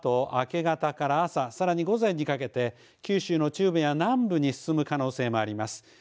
このあと明け方から朝さらに午前にかけて九州の中部や南部に進む可能性もあります。